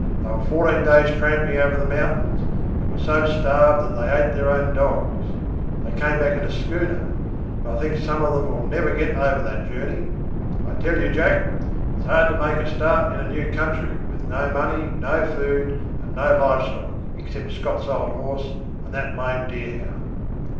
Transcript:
They were fourteen days tramping over the mountains, and were so starved that they ate their own dogs. They came back in a schooner, but I think some of them will never get over that journey. I tell you, Jack, it's hard to make a start in a new country with no money, no food, and no live stock, except Scott's old horse and that lame deerhound.